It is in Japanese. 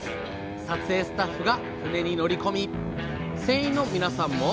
撮影スタッフが船に乗り込み船員の皆さんも。